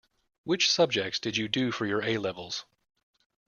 Which subjects did you do for your A-levels?